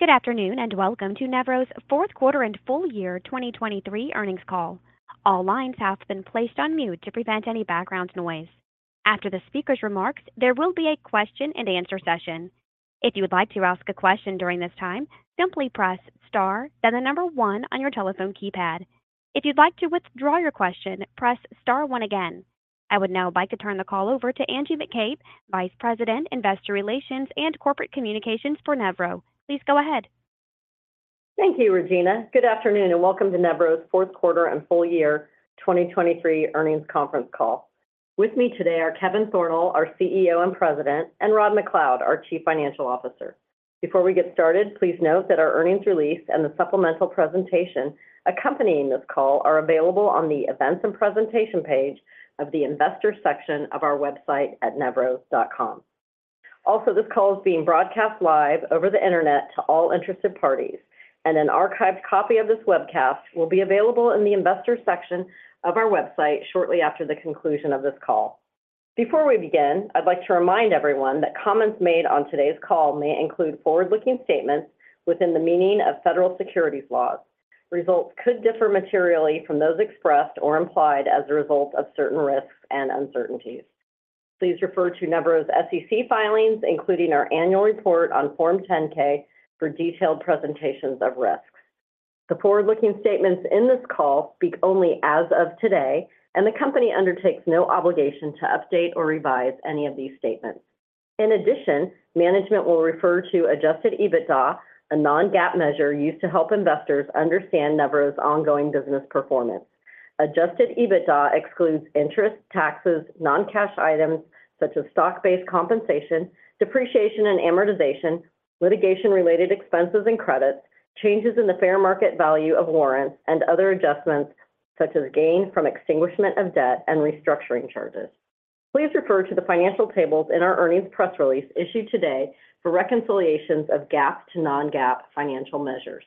Good afternoon and welcome to Nevro's fourth quarter and full year 2023 earnings call. All lines have been placed on mute to prevent any background noise. After the speaker's remarks, there will be a question-and-answer session. If you would like to ask a question during this time, simply press star, then the number 1 on your telephone keypad. If you'd like to withdraw your question, press star 1 again. I would now like to turn the call over to Angie McCabe, Vice President, Investor Relations and Corporate Communications for Nevro. Please go ahead. Thank you, Regina. Good afternoon and welcome to Nevro's fourth quarter and full year 2023 earnings conference call. With me today are Kevin Thornal, our CEO and President, and Rod MacLeod, our Chief Financial Officer. Before we get started, please note that our earnings release and the supplemental presentation accompanying this call are available on the events and presentation page of the investor section of our website at nevro.com. Also, this call is being broadcast live over the internet to all interested parties, and an archived copy of this webcast will be available in the investor section of our website shortly after the conclusion of this call. Before we begin, I'd like to remind everyone that comments made on today's call may include forward-looking statements within the meaning of federal securities laws. Results could differ materially from those expressed or implied as a result of certain risks and uncertainties. Please refer to Nevro's SEC filings, including our annual report on Form 10-K, for detailed presentations of risks. The forward-looking statements in this call speak only as of today, and the company undertakes no obligation to update or revise any of these statements. In addition, management will refer to Adjusted EBITDA, a non-GAAP measure used to help investors understand Nevro's ongoing business performance. Adjusted EBITDA excludes interest, taxes, non-cash items such as stock-based compensation, depreciation and amortization, litigation-related expenses and credits, changes in the fair market value of warrants, and other adjustments such as gain from extinguishment of debt and restructuring charges. Please refer to the financial tables in our earnings press release issued today for reconciliations of GAAP to non-GAAP financial measures.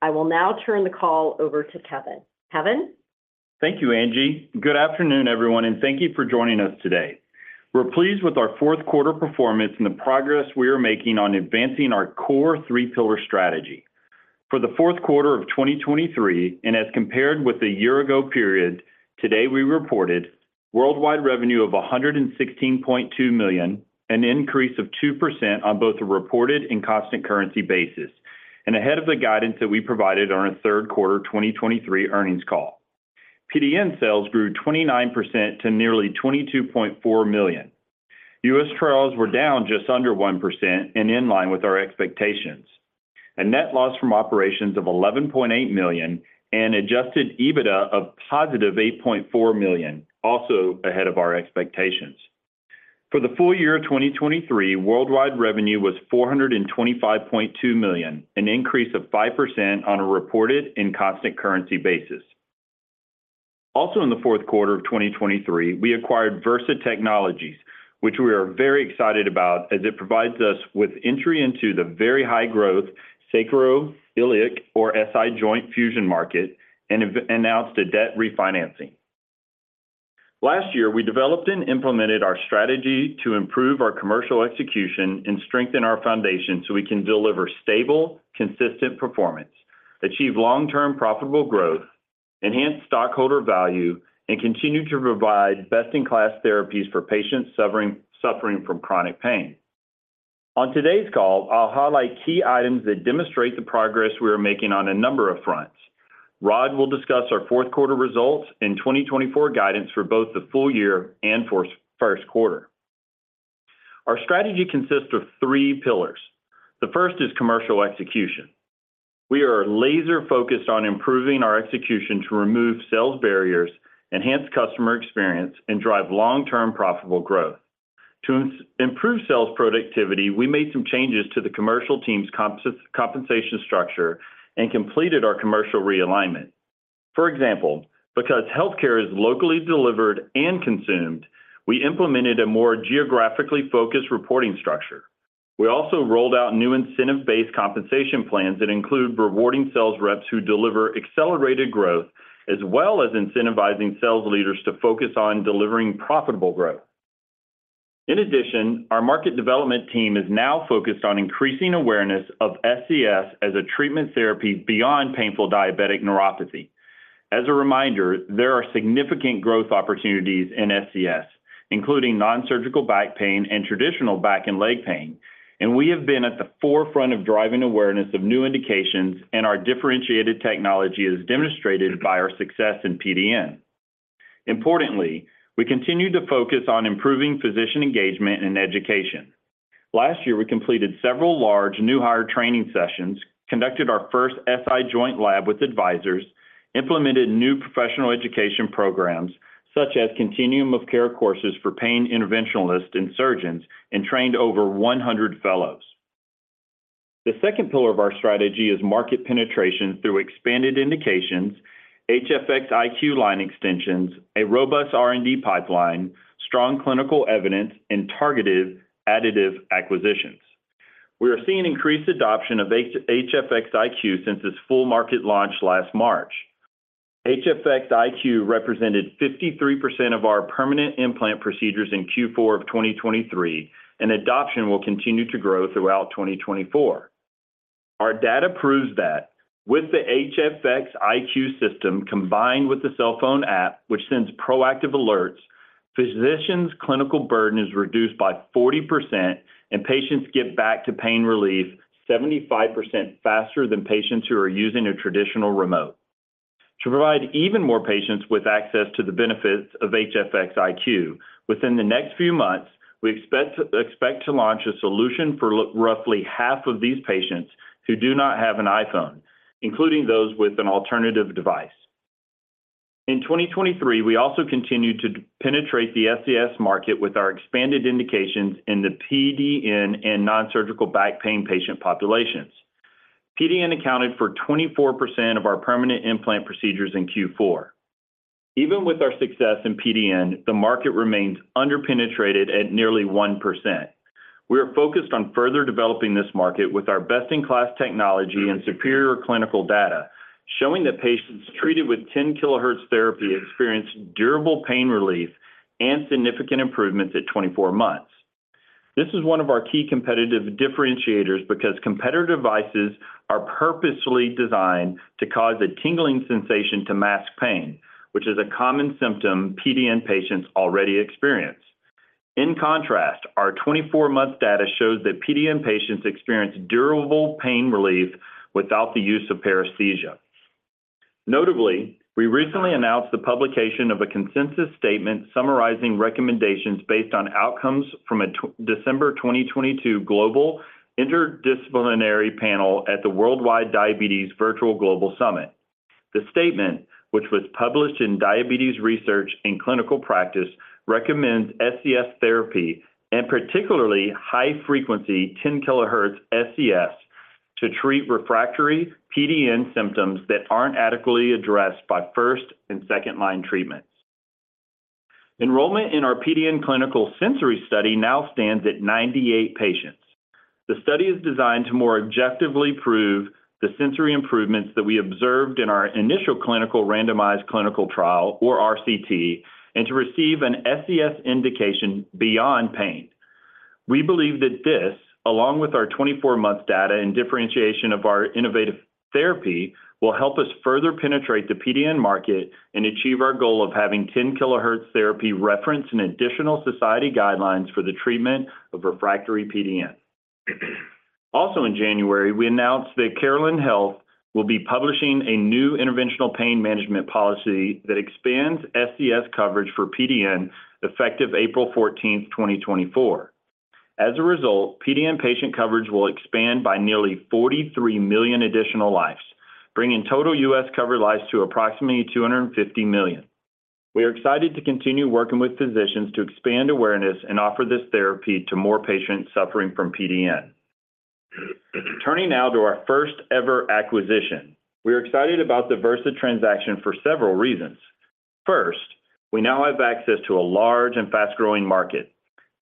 I will now turn the call over to Kevin. Kevin? Thank you, Angie. Good afternoon, everyone, and thank you for joining us today. We're pleased with our fourth quarter performance and the progress we are making on advancing our core three-pillar strategy. For the fourth quarter of 2023, and as compared with the year-ago period, today we reported worldwide revenue of $116.2 million, an increase of 2% on both a reported and constant currency basis, and ahead of the guidance that we provided on a third quarter 2023 earnings call. PDN sales grew 29% to nearly $22.4 million. U.S. trials were down just under 1% and in line with our expectations. A net loss from operations of $11.8 million and adjusted EBITDA of positive $8.4 million, also ahead of our expectations. For the full year 2023, worldwide revenue was $425.2 million, an increase of 5% on a reported and constant currency basis. Also, in the fourth quarter of 2023, we acquired Vyrsa Technologies, which we are very excited about as it provides us with entry into the very high-growth sacroiliac or SI joint fusion market and announced a debt refinancing. Last year, we developed and implemented our strategy to improve our commercial execution and strengthen our foundation so we can deliver stable, consistent performance, achieve long-term profitable growth, enhance stockholder value, and continue to provide best-in-class therapies for patients suffering from chronic pain. On today's call, I'll highlight key items that demonstrate the progress we are making on a number of fronts. Rod will discuss our fourth quarter results and 2024 guidance for both the full year and first quarter. Our strategy consists of three pillars. The first is commercial execution. We are laser-focused on improving our execution to remove sales barriers, enhance customer experience, and drive long-term profitable growth. To improve sales productivity, we made some changes to the commercial team's compensation structure and completed our commercial realignment. For example, because healthcare is locally delivered and consumed, we implemented a more geographically focused reporting structure. We also rolled out new incentive-based compensation plans that include rewarding sales reps who deliver accelerated growth as well as incentivizing sales leaders to focus on delivering profitable growth. In addition, our market development team is now focused on increasing awareness of SCS as a treatment therapy beyond painful diabetic neuropathy. As a reminder, there are significant growth opportunities in SCS, including nonsurgical back pain and traditional back and leg pain, and we have been at the forefront of driving awareness of new indications and our differentiated technology as demonstrated by our success in PDN. Importantly, we continue to focus on improving physician engagement and education. Last year, we completed several large new-hire training sessions, conducted our first SI joint lab with advisors, implemented new professional education programs such as continuum of care courses for pain interventionalists and surgeons, and trained over 100 fellows. The second pillar of our strategy is market penetration through expanded indications, HFX iQ line extensions, a robust R&D pipeline, strong clinical evidence, and targeted additive acquisitions. We are seeing increased adoption of HFX iQ since its full market launch last March. HFX iQ represented 53% of our permanent implant procedures in Q4 of 2023, and adoption will continue to grow throughout 2024. Our data proves that with the HFX iQ system combined with the cell phone app, which sends proactive alerts, physicians' clinical burden is reduced by 40%, and patients get back to pain relief 75% faster than patients who are using a traditional remote. To provide even more patients with access to the benefits of HFX iQ, within the next few months, we expect to launch a solution for roughly half of these patients who do not have an iPhone, including those with an alternative device. In 2023, we also continued to penetrate the SCS market with our expanded indications in the PDN and nonsurgical back pain patient populations. PDN accounted for 24% of our permanent implant procedures in Q4. Even with our success in PDN, the market remains underpenetrated at nearly 1%. We are focused on further developing this market with our best-in-class technology and superior clinical data, showing that patients treated with 10 kilohertz therapy experience durable pain relief and significant improvements at 24 months. This is one of our key competitive differentiators because competitive devices are purposely designed to cause a tingling sensation to mask pain, which is a common symptom PDN patients already experience. In contrast, our 24-month data shows that PDN patients experience durable pain relief without the use of paresthesia. Notably, we recently announced the publication of a consensus statement summarizing recommendations based on outcomes from a December 2022 global interdisciplinary panel at the Worldwide Diabetes Virtual Global Summit. The statement, which was published in Diabetes Research and Clinical Practice, recommends SCS therapy and particularly high-frequency 10 kilohertz SCS to treat refractory PDN symptoms that aren't adequately addressed by first and second-line treatments. Enrollment in our PDN clinical sensory study now stands at 98 patients. The study is designed to more objectively prove the sensory improvements that we observed in our initial clinical randomized clinical trial, or RCT, and to receive an SCS indication beyond pain. We believe that this, along with our 24-month data and differentiation of our innovative therapy, will help us further penetrate the PDN market and achieve our goal of having 10 kilohertz therapy referenced in additional society guidelines for the treatment of refractory PDN. Also, in January, we announced that Cigna Health will be publishing a new interventional pain management policy that expands SCS coverage for PDN effective April 14th, 2024. As a result, PDN patient coverage will expand by nearly 43 million additional lives, bringing total U.S.-covered lives to approximately 250 million. We are excited to continue working with physicians to expand awareness and offer this therapy to more patients suffering from PDN. Turning now to our first-ever acquisition, we are excited about the Vyrsa transaction for several reasons. First, we now have access to a large and fast-growing market.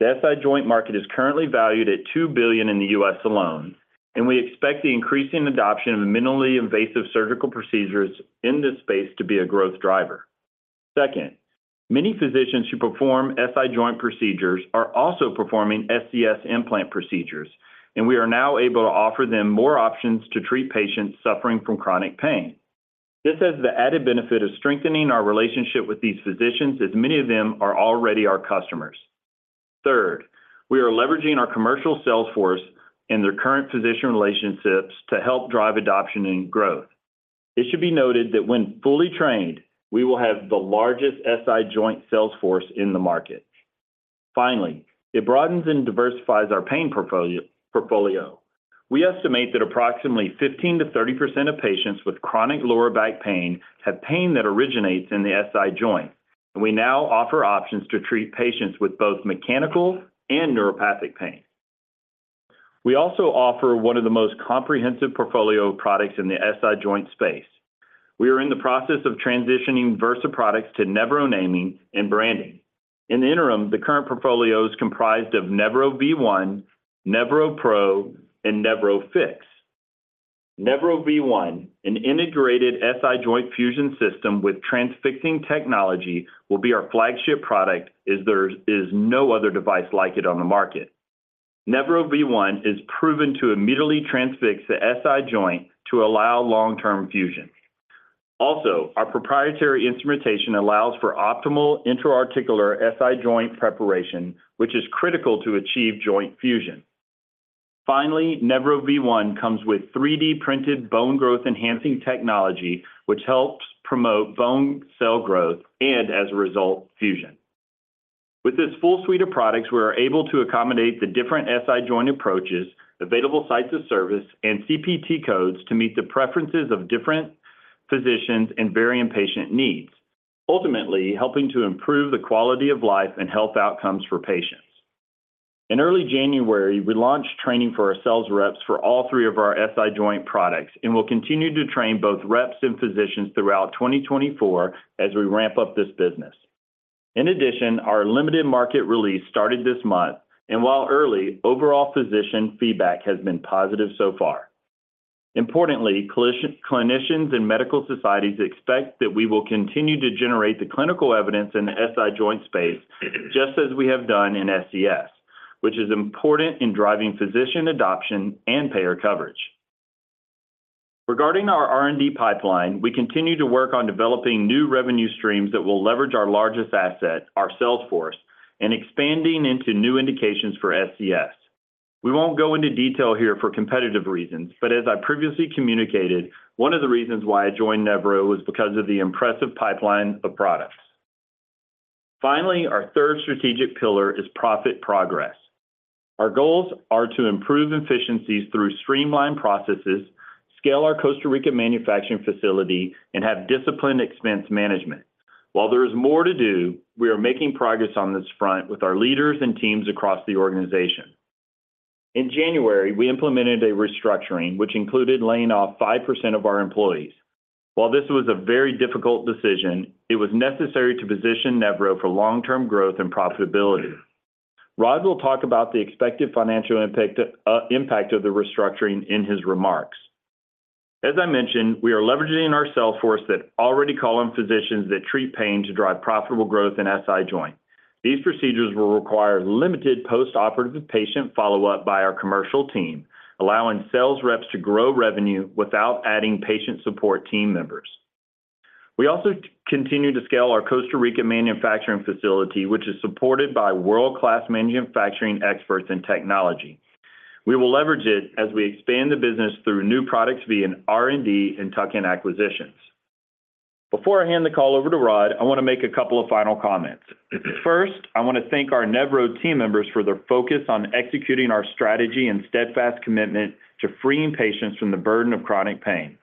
The SI joint market is currently valued at $2 billion in the U.S. alone, and we expect the increasing adoption of minimally invasive surgical procedures in this space to be a growth driver. Second, many physicians who perform SI joint procedures are also performing SCS implant procedures, and we are now able to offer them more options to treat patients suffering from chronic pain. This has the added benefit of strengthening our relationship with these physicians as many of them are already our customers. Third, we are leveraging our commercial sales force and their current physician relationships to help drive adoption and growth. It should be noted that when fully trained, we will have the largest SI joint sales force in the market. Finally, it broadens and diversifies our pain portfolio. We estimate that approximately 15%-30% of patients with chronic lower back pain have pain that originates in the SI joint, and we now offer options to treat patients with both mechanical and neuropathic pain. We also offer one of the most comprehensive portfolio products in the SI joint space. We are in the process of transitioning Vyrsa products to Nevro naming and branding. In the interim, the current portfolio is comprised of Nevro V1, Nevro Pro, and Nevro Fix. Nevro V1, an integrated SI joint fusion system with transfixing technology, will be our flagship product as there is no other device like it on the market. Nevro V1 is proven to immediately transfix the SI joint to allow long-term fusion. Also, our proprietary instrumentation allows for optimal intra-articular SI joint preparation, which is critical to achieve joint fusion. Finally, Nevro V1 comes with 3D-printed bone growth-enhancing technology, which helps promote bone cell growth and, as a result, fusion. With this full suite of products, we are able to accommodate the different SI joint approaches, available sites of service, and CPT codes to meet the preferences of different physicians and varying patient needs, ultimately helping to improve the quality of life and health outcomes for patients. In early January, we launched training for our sales reps for all three of our SI joint products and will continue to train both reps and physicians throughout 2024 as we ramp up this business. In addition, our limited market release started this month, and while early, overall physician feedback has been positive so far. Importantly, clinicians and medical societies expect that we will continue to generate the clinical evidence in the SI Joint space just as we have done in SCS, which is important in driving physician adoption and payer coverage. Regarding our R&D pipeline, we continue to work on developing new revenue streams that will leverage our largest asset, our sales force, and expanding into new indications for SCS. We won't go into detail here for competitive reasons, but as I previously communicated, one of the reasons why I joined Nevro was because of the impressive pipeline of products. Finally, our third strategic pillar is profit progress. Our goals are to improve efficiencies through streamlined processes, scale our Costa Rica manufacturing facility, and have disciplined expense management. While there is more to do, we are making progress on this front with our leaders and teams across the organization. In January, we implemented a restructuring, which included laying off 5% of our employees. While this was a very difficult decision, it was necessary to position Nevro for long-term growth and profitability. Rod will talk about the expected financial impact of the restructuring in his remarks. As I mentioned, we are leveraging our sales force that already call on physicians that treat pain to drive profitable growth in SI Joint. These procedures will require limited postoperative patient follow-up by our commercial team, allowing sales reps to grow revenue without adding patient support team members. We also continue to scale our Costa Rica manufacturing facility, which is supported by world-class manufacturing experts and technology. We will leverage it as we expand the business through new products via R&D and tuck-in acquisitions. Before I hand the call over to Rod, I want to make a couple of final comments. First, I want to thank our Nevro team members for their focus on executing our strategy and steadfast commitment to freeing patients from the burden of chronic pain.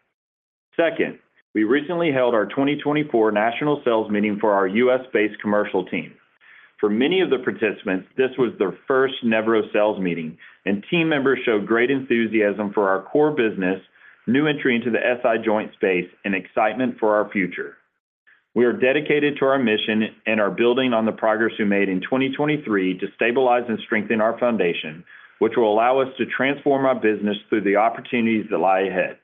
Second, we recently held our 2024 national sales meeting for our U.S.-based commercial team. For many of the participants, this was their first Nevro sales meeting, and team members showed great enthusiasm for our core business, new entry into the SI joint space, and excitement for our future. We are dedicated to our mission and are building on the progress we made in 2023 to stabilize and strengthen our foundation, which will allow us to transform our business through the opportunities that lie ahead.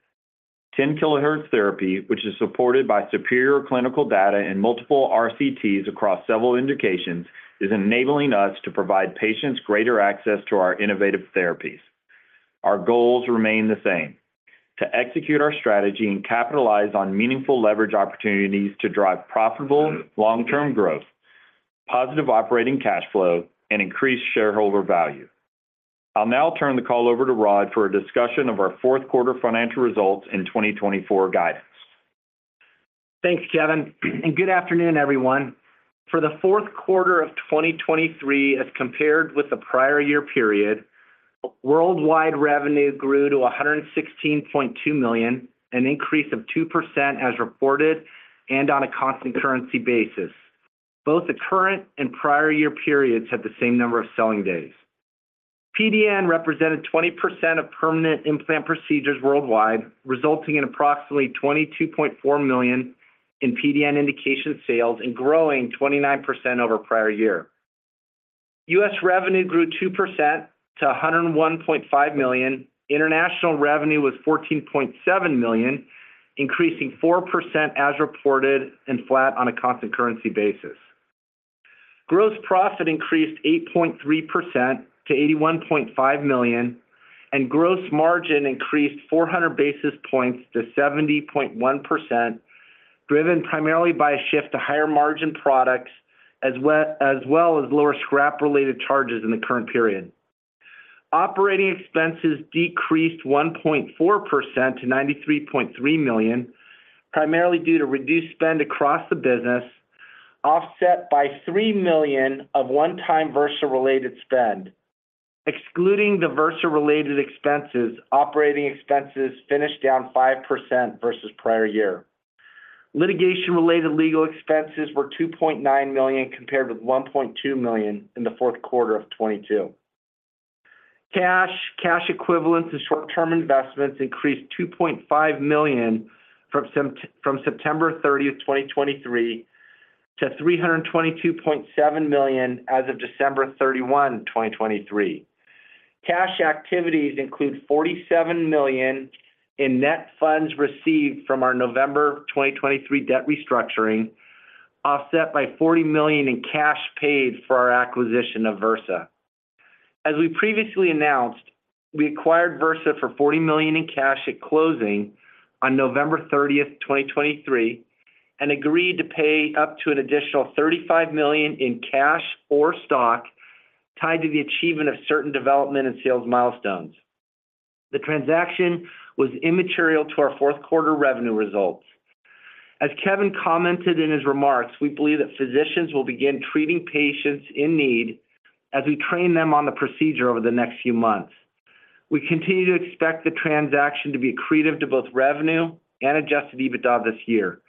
10 kHz Therapy, which is supported by superior clinical data and multiple RCTs across several indications, is enabling us to provide patients greater access to our innovative therapies. Our goals remain the same: to execute our strategy and capitalize on meaningful leverage opportunities to drive profitable long-term growth, positive operating cash flow, and increased shareholder value. I'll now turn the call over to Rod for a discussion of our fourth quarter financial results and 2024 guidance. Thanks, Kevin. Good afternoon, everyone. For the fourth quarter of 2023, as compared with the prior year period, worldwide revenue grew to $116.2 million, an increase of 2% as reported and on a constant currency basis. Both the current and prior year periods had the same number of selling days. PDN represented 20% of permanent implant procedures worldwide, resulting in approximately $22.4 million in PDN indication sales and growing 29% over prior year. U.S. revenue grew 2% to $101.5 million. International revenue was $14.7 million, increasing 4% as reported and flat on a constant currency basis. Gross profit increased 8.3% to $81.5 million, and gross margin increased 400 basis points to 70.1%, driven primarily by a shift to higher margin products as well as lower scrap-related charges in the current period. Operating expenses decreased 1.4% to $93.3 million, primarily due to reduced spend across the business, offset by $3 million of one-time Vyrsa-related spend. Excluding the Vyrsa-related expenses, operating expenses finished down 5% versus prior year. Litigation-related legal expenses were $2.9 million compared with $1.2 million in the fourth quarter of 2022. Cash equivalents and short-term investments increased $2.5 million from September 30th, 2023, to $322.7 million as of December 31, 2023. Cash activities include $47 million in net funds received from our November 2023 debt restructuring, offset by $40 million in cash paid for our acquisition of Vyrsa. As we previously announced, we acquired Vyrsa for $40 million in cash at closing on November 30th, 2023, and agreed to pay up to an additional $35 million in cash or stock tied to the achievement of certain development and sales milestones. The transaction was immaterial to our fourth quarter revenue results. As Kevin commented in his remarks, we believe that physicians will begin treating patients in need as we train them on the procedure over the next few months. We continue to expect the transaction to be accretive to both revenue and Adjusted EBITDA this year.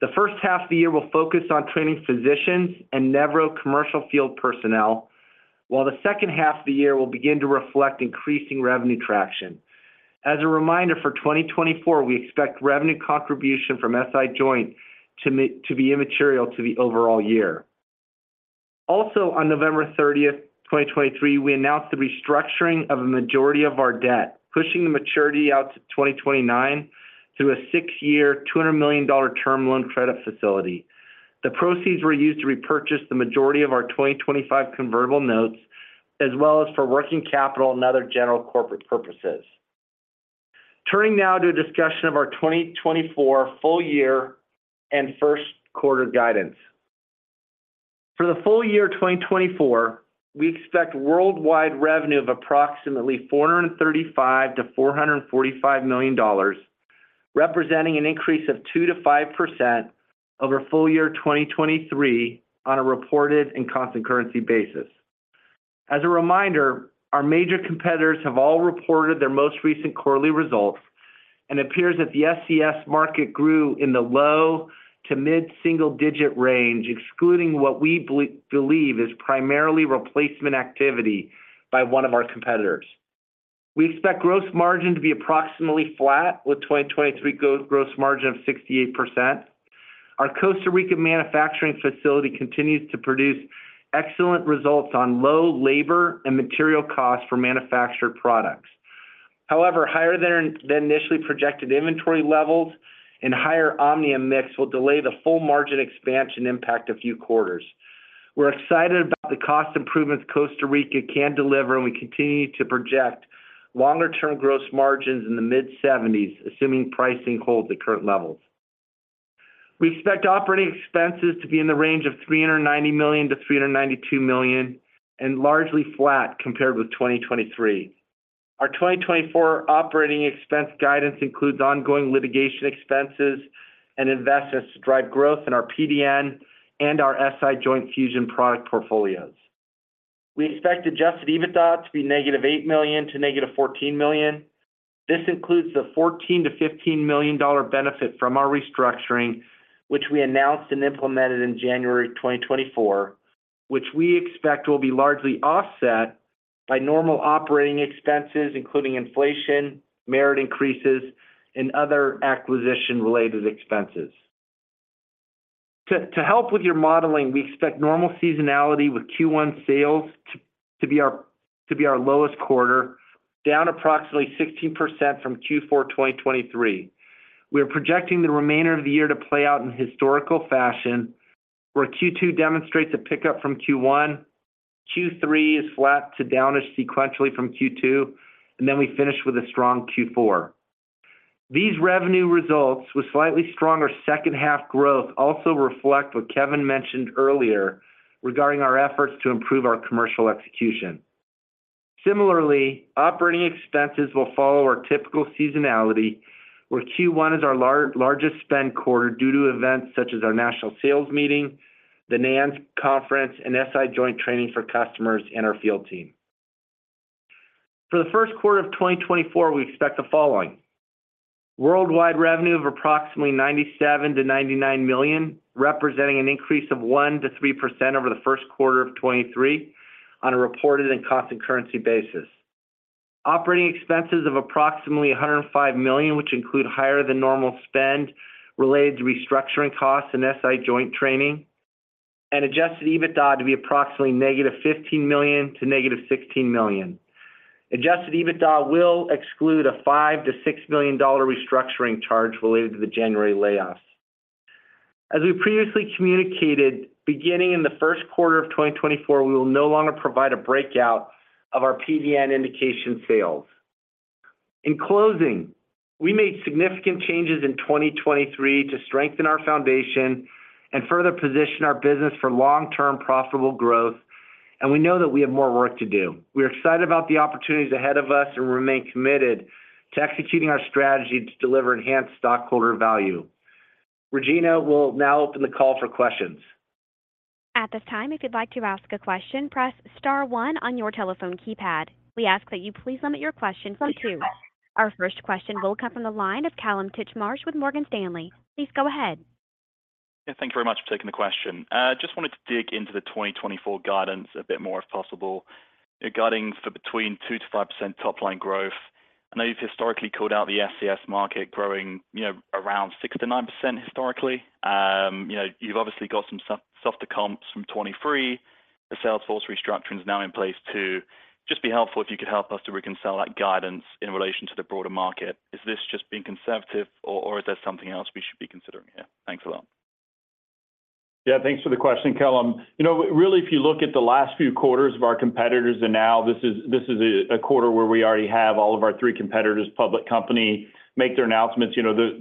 The first half of the year will focus on training physicians and Nevro commercial field personnel, while the second half of the year will begin to reflect increasing revenue traction. As a reminder, for 2024, we expect revenue contribution from SI joint to be immaterial to the overall year. Also, on November 30th, 2023, we announced the restructuring of a majority of our debt, pushing the maturity out to 2029 through a six-year, $200 million term loan credit facility. The proceeds were used to repurchase the majority of our 2025 convertible notes, as well as for working capital and other general corporate purposes. Turning now to a discussion of our 2024 full year and first quarter guidance. For the full year 2024, we expect worldwide revenue of approximately $435-$445 million, representing an increase of 2%-5% over full year 2023 on a reported and constant currency basis. As a reminder, our major competitors have all reported their most recent quarterly results, and it appears that the SCS market grew in the low to mid-single-digit range, excluding what we believe is primarily replacement activity by one of our competitors. We expect gross margin to be approximately flat, with 2023 gross margin of 68%. Our Costa Rica manufacturing facility continues to produce excellent results on low labor and material costs for manufactured products. However, higher than initially projected inventory levels and higher Omnia mix will delay the full margin expansion impact of few quarters. We're excited about the cost improvements Costa Rica can deliver, and we continue to project longer-term gross margins in the mid-70s, assuming pricing holds at current levels. We expect operating expenses to be in the range of $390 million-$392 million, and largely flat compared with 2023. Our 2024 operating expense guidance includes ongoing litigation expenses and investments to drive growth in our PDN and our SI joint fusion product portfolios. We expect adjusted EBITDA to be -$8 million-$14 million. This includes the $14 million-$15 million benefit from our restructuring, which we announced and implemented in January 2024, which we expect will be largely offset by normal operating expenses, including inflation, merit increases, and other acquisition-related expenses. To help with your modeling, we expect normal seasonality with Q1 sales to be our lowest quarter, down approximately 16% from Q4 2023. We are projecting the remainder of the year to play out in historical fashion, where Q2 demonstrates a pickup from Q1, Q3 is flat to downish sequentially from Q2, and then we finish with a strong Q4. These revenue results with slightly stronger second-half growth also reflect what Kevin mentioned earlier regarding our efforts to improve our commercial execution. Similarly, operating expenses will follow our typical seasonality, where Q1 is our largest spend quarter due to events such as our national sales meeting, the NANS conference, and SI Joint training for customers and our field team. For the first quarter of 2024, we expect the following: worldwide revenue of approximately $97-$99 million, representing an increase of 1%-3% over the first quarter of 2023 on a reported and constant currency basis. Operating expenses of approximately $105 million, which include higher than normal spend related to restructuring costs and SI joint training. And adjusted EBITDA to be approximately -$15 million to -$16 million. Adjusted EBITDA will exclude a $5-$6 million restructuring charge related to the January layoffs. As we previously communicated, beginning in the first quarter of 2024, we will no longer provide a breakout of our PDN indication sales. In closing, we made significant changes in 2023 to strengthen our foundation and further position our business for long-term profitable growth, and we know that we have more work to do. We are excited about the opportunities ahead of us and remain committed to executing our strategy to deliver enhanced stockholder value. Regina will now open the call for questions. At this time, if you'd like to ask a question, press star one on your telephone keypad. We ask that you please limit your questions to two. Our first question will come from the line of Kallum Titchmarsh with Morgan Stanley. Please go ahead. Thank you very much for taking the question. I just wanted to dig into the 2024 guidance a bit more, if possible, regarding between 2%-5% top-line growth. I know you've historically called out the SCS market growing around 6%-9% historically. You've obviously got some softer comps from 2023. The Salesforce restructuring is now in place too. Just be helpful if you could help us to reconcile that guidance in relation to the broader market. Is this just being conservative, or is there something else we should be considering here? Thanks a lot. Yeah, thanks for the question, Callum. Really, if you look at the last few quarters of our competitors and now, this is a quarter where we already have all of our three competitors, public company, make their announcements.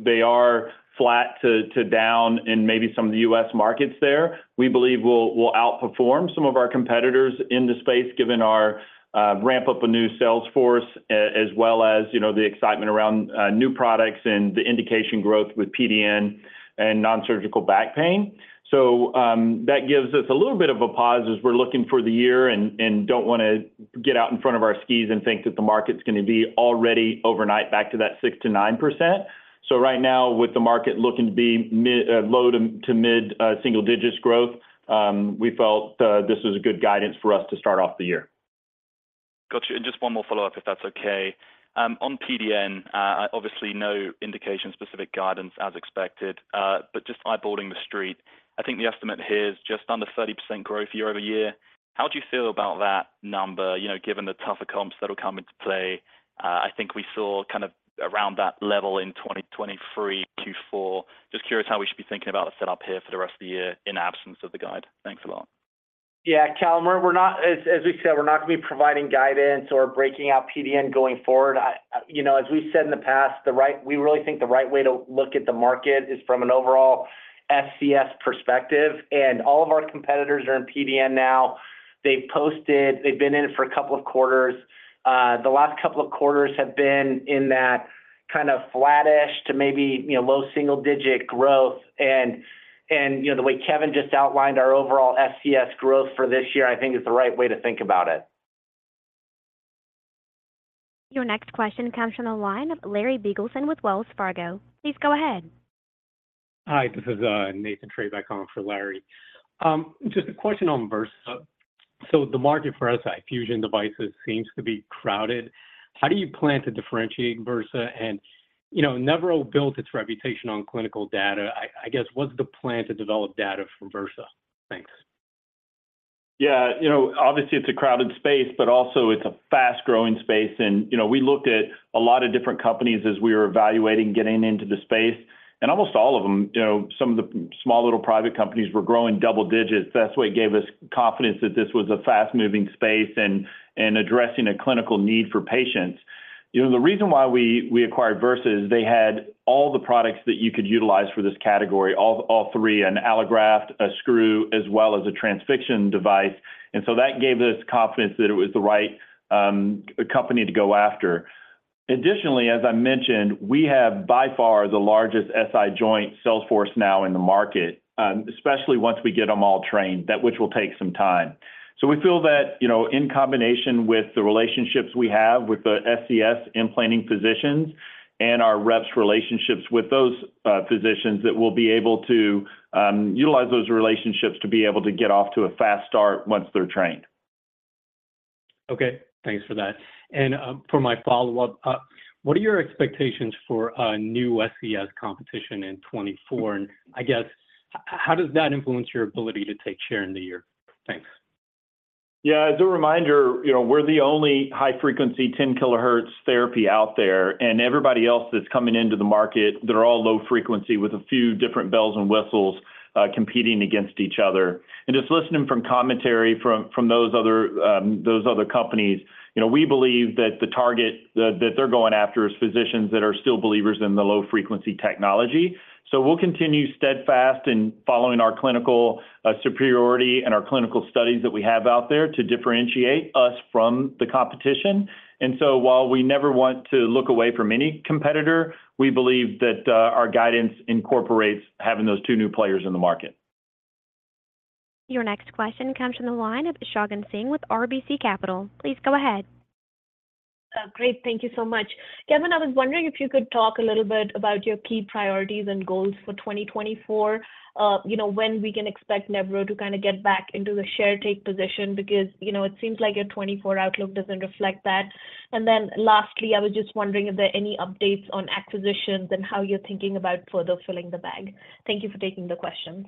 They are flat to down in maybe some of the U.S. markets there. We believe we'll outperform some of our competitors in the space given our ramp-up of new Salesforce as well as the excitement around new products and the indication growth with PDN and nonsurgical back pain. So that gives us a little bit of a pause as we're looking for the year and don't want to get out in front of our skis and think that the market's going to be already overnight back to that 6%-9%.Right now, with the market looking to be low to mid-single-digit growth, we felt this was a good guidance for us to start off the year. Gotcha. And just one more follow-up, if that's okay. On PDN, obviously no indication-specific guidance as expected. But just eyeballing the street, I think the estimate here is just under 30% growth year-over-year. How do you feel about that number given the tougher comps that will come into play? I think we saw kind of around that level in 2023, Q4. Just curious how we should be thinking about the setup here for the rest of the year in absence of the guide. Thanks a lot. Yeah, Callum, as we said, we're not going to be providing guidance or breaking out PDN going forward. As we've said in the past, we really think the right way to look at the market is from an overall SCS perspective. And all of our competitors are in PDN now. They've been in it for a couple of quarters. The last couple of quarters have been in that kind of flat-ish to maybe low single-digit growth. And the way Kevin just outlined our overall SCS growth for this year, I think, is the right way to think about it. Your next question comes from the line of Larry Biegelsen with Wells Fargo. Please go ahead. Hi, this is Nathan Treybeck for Larry. Just a question on Vyrsa. So the market for SI fusion devices seems to be crowded. How do you plan to differentiate Vyrsa? And Nevro built its reputation on clinical data. I guess, what's the plan to develop data from Vyrsa? Thanks. Yeah, obviously, it's a crowded space, but also it's a fast-growing space. We looked at a lot of different companies as we were evaluating getting into the space. Almost all of them, some of the small little private companies, were growing double digits. That's what gave us confidence that this was a fast-moving space and addressing a clinical need for patients. The reason why we acquired Vyrsa is they had all the products that you could utilize for this category, all three, an allograft, a screw, as well as a transfixion device. And so that gave us confidence that it was the right company to go after. Additionally, as I mentioned, we have by far the largest SI joint sales force now in the market, especially once we get them all trained, which will take some time. So we feel that in combination with the relationships we have with the SCS implanting physicians and our reps' relationships with those physicians, that we'll be able to utilize those relationships to be able to get off to a fast start once they're trained. Okay, thanks for that. For my follow-up, what are your expectations for new SCS competition in 2024? I guess, how does that influence your ability to take share in the year? Thanks. Yeah, as a reminder, we're the only high-frequency 10 kilohertz therapy out there. And everybody else that's coming into the market, they're all low frequency with a few different bells and whistles competing against each other. And just listening from commentary from those other companies, we believe that the target that they're going after is physicians that are still believers in the low-frequency technology. So we'll continue steadfast in following our clinical superiority and our clinical studies that we have out there to differentiate us from the competition. And so while we never want to look away from any competitor, we believe that our guidance incorporates having those two new players in the market. Your next question comes from the line of Shagun Singh with RBC Capital. Please go ahead. Great, thank you so much. Kevin, I was wondering if you could talk a little bit about your key priorities and goals for 2024, when we can expect Nevro to kind of get back into the share-take position because it seems like your 2024 outlook doesn't reflect that? And then lastly, I was just wondering if there are any updates on acquisitions and how you're thinking about further filling the bag? Thank you for taking the questions.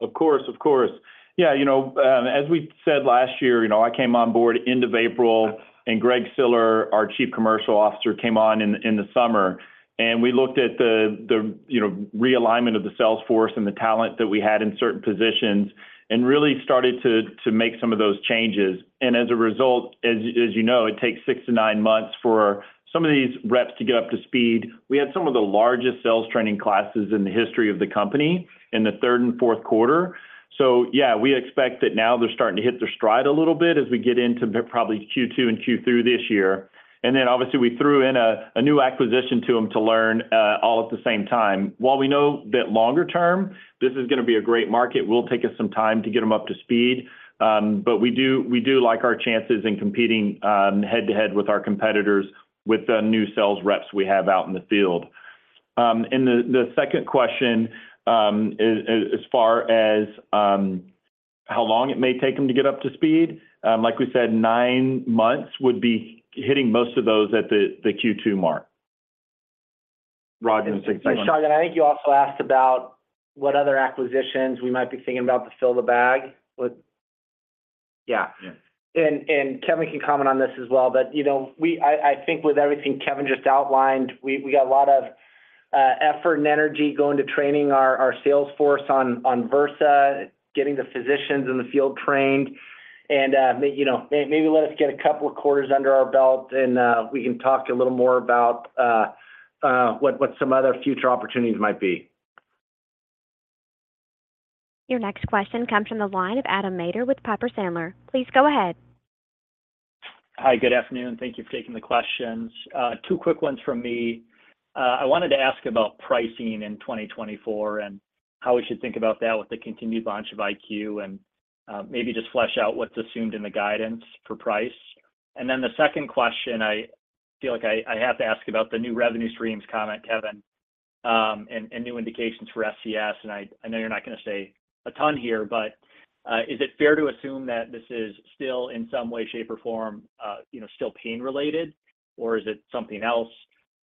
Of course, of course. Yeah, as we said last year, I came on board end of April, and Greg Siller, our Chief Commercial Officer, came on in the summer. We looked at the realignment of the sales force and the talent that we had in certain positions and really started to make some of those changes. And as a result, as you know, it takes 6-9 months for some of these reps to get up to speed. We had some of the largest sales training classes in the history of the company in the third and fourth quarter. So yeah, we expect that now they're starting to hit their stride a little bit as we get into probably Q2 and Q3 this year. And then obviously, we threw in a new acquisition to them to learn all at the same time. While we know that longer term, this is going to be a great market. It'll take us some time to get them up to speed. But we do like our chances in competing head-to-head with our competitors with the new sales reps we have out in the field. And the second question, as far as how long it may take them to get up to speed, like we said, nine months would be hitting most of those at the Q2 mark. Shagun, I think you also asked about what other acquisitions we might be thinking about to fill the bag with. Yeah. And Kevin can comment on this as well. But I think with everything Kevin just outlined, we got a lot of effort and energy going to training our sales force on Vyrsa, getting the physicians in the field trained. And maybe let us get a couple of quarters under our belt, and we can talk a little more about what some other future opportunities might be. Your next question comes from the line of Adam Maeder with Piper Sandler. Please go ahead. Hi, good afternoon. Thank you for taking the questions. 2 quick ones from me. I wanted to ask about pricing in 2024 and how we should think about that with the continued launch of IQ and maybe just flesh out what's assumed in the guidance for price. And then the second question, I feel like I have to ask about the new revenue streams comment, Kevin, and new indications for SCS. And I know you're not going to say a ton here, but is it fair to assume that this is still in some way, shape, or form still pain-related, or is it something else?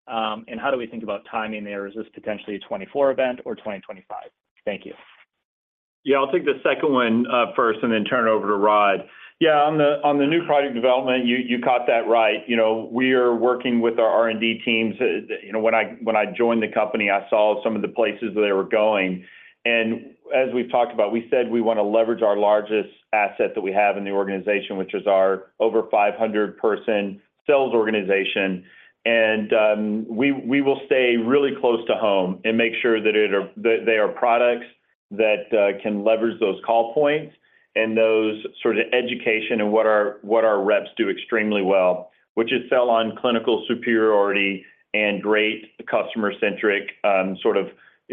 And how do we think about timing there? Is this potentially a 2024 event or 2025? Thank you. Yeah, I'll take the second one first and then turn it over to Rod. Yeah, on the new project development, you caught that right. We are working with our R&D teams. When I joined the company, I saw some of the places that they were going. As we've talked about, we said we want to leverage our largest asset that we have in the organization, which is our over-500-person sales organization. And we will stay really close to home and make sure that they are products that can leverage those call points and those sort of education and what our reps do extremely well, which is sell-on clinical superiority and great customer-centric sort of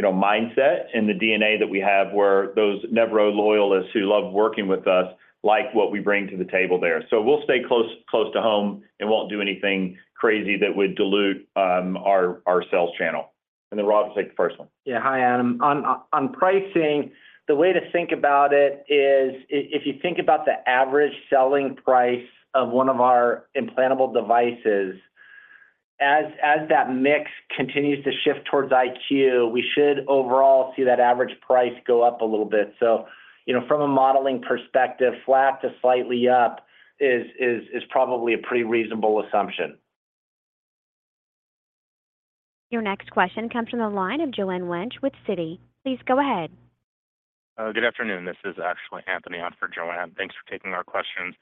mindset and the DNA that we have where those Nevro loyalists who love working with us like what we bring to the table there. We'll stay close to home and won't do anything crazy that would dilute our sales channel. Then Rod will take the first one. Yeah, hi, Adam. On pricing, the way to think about it is if you think about the average selling price of one of our implantable devices, as that mix continues to shift towards IQ, we should overall see that average price go up a little bit. So from a modeling perspective, flat to slightly up is probably a pretty reasonable assumption. Your next question comes from the line of Joanne Wuensch with Citi. Please go ahead. Good afternoon. This is actually Anthony on for Joanne. Thanks for taking our questions.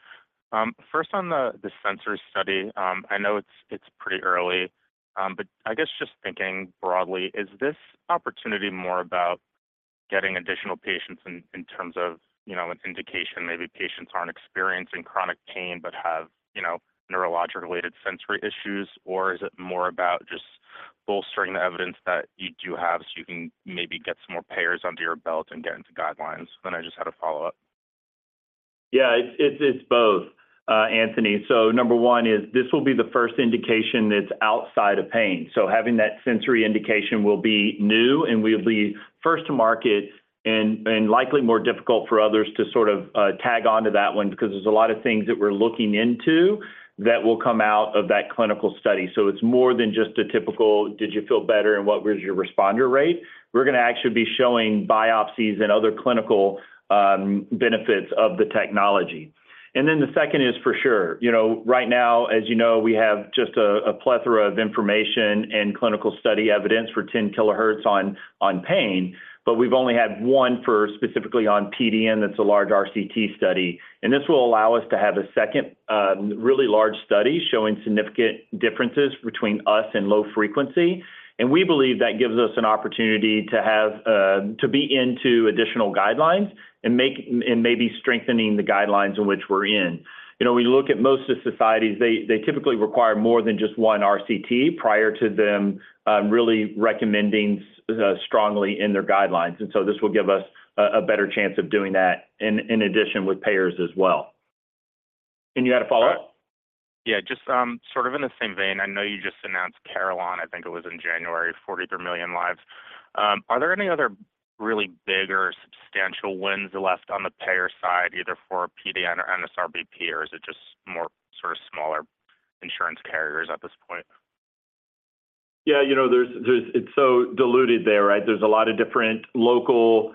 First, on the sensory study, I know it's pretty early, but I guess just thinking broadly, is this opportunity more about getting additional patients in terms of an indication maybe patients aren't experiencing chronic pain but have neurologic-related sensory issues, or is it more about just bolstering the evidence that you do have so you can maybe get some more payers under your belt and get into guidelines? And then I just had a follow-up. Yeah, it's both, Anthony. So number one is this will be the first indication that's outside of pain. So having that sensory indication will be new, and we'll be first to market and likely more difficult for others to sort of tag onto that one because there's a lot of things that we're looking into that will come out of that clinical study. So it's more than just a typical, "Did you feel better? And what was your responder rate?" We're going to actually be showing biopsies and other clinical benefits of the technology. And then the second is for sure. Right now, as you know, we have just a plethora of information and clinical study evidence for 10 kilohertz on pain, but we've only had one specifically on PDN that's a large RCT study. This will allow us to have a second really large study showing significant differences between us and low frequency. We believe that gives us an opportunity to be into additional guidelines and maybe strengthening the guidelines in which we're in. We look at most of societies. They typically require more than just one RCT prior to them really recommending strongly in their guidelines. So this will give us a better chance of doing that in addition with payers as well. You had a follow-up? Yeah, just sort of in the same vein, I know you just announced Carelon, I think it was in January, 43 million lives. Are there any other really big or substantial wins left on the payer side, either for PDN or NSRBP, or is it just more sort of smaller insurance carriers at this point? Yeah, it's so diluted there, right? There's a lot of different local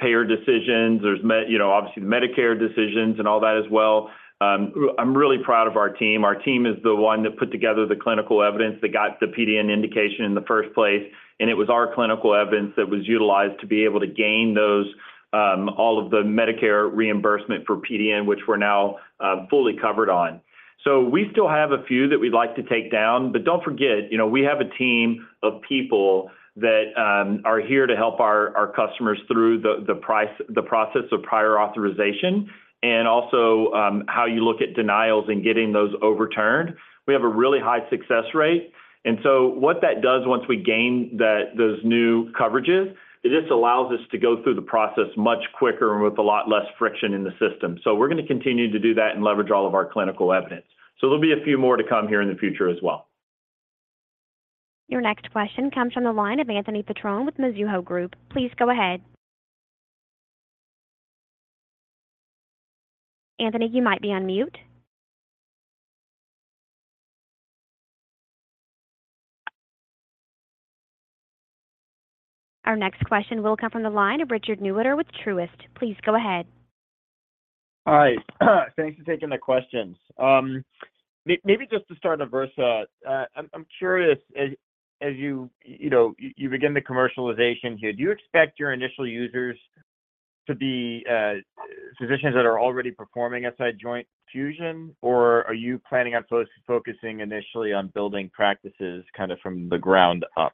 payer decisions. There's obviously the Medicare decisions and all that as well. I'm really proud of our team. Our team is the one that put together the clinical evidence that got the PDN indication in the first place. And it was our clinical evidence that was utilized to be able to gain all of the Medicare reimbursement for PDN, which we're now fully covered on. So we still have a few that we'd like to take down. But don't forget, we have a team of people that are here to help our customers through the process of prior authorization and also how you look at denials and getting those overturned. We have a really high success rate. And so what that does once we gain those new coverages, it just allows us to go through the process much quicker and with a lot less friction in the system. So we're going to continue to do that and leverage all of our clinical evidence. So there'll be a few more to come here in the future as well. Your next question comes from the line of Anthony Petrone with Mizuho Group. Please go ahead. Anthony, you might be on mute. Our next question will come from the line of Richard Newitter with Truist. Please go ahead. Hi. Thanks for taking the questions. Maybe just to start a Vyrsa, I'm curious, as you begin the commercialization here, do you expect your initial users to be physicians that are already performing SI joint fusion, or are you planning on focusing initially on building practices kind of from the ground up?